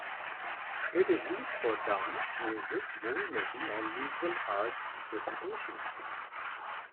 It is used for dance, music, movie-making and visual-art presentations.